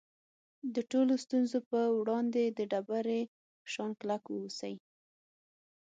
د ټولو ستونزو په وړاندې د ډبرې په شان کلک واوسئ.